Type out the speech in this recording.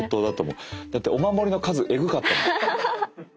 だってお守りの数エグかったもん。